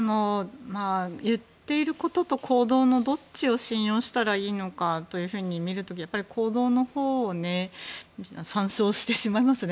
言っていることと行動のどっちを信用したらいいのかというふうに見る時に行動のほうを参照してしまいますね。